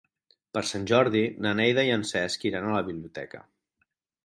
Per Sant Jordi na Neida i en Cesc iran a la biblioteca.